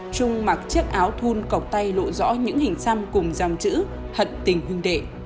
trung mặc chiếc áo thun cọc tay lộ rõ những hình xăm cùng dòng chữ hận tình huynh đệ